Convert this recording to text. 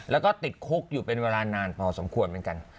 แล้วก็ติดคุกอยู่เป็นเวลานานพอสมควรเหมือนกัน